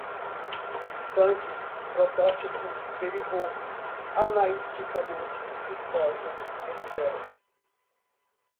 tanques, protótipos, derivou, analiticamente, viscosa, esferas